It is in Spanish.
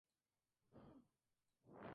Así, parece terminarse la crisis.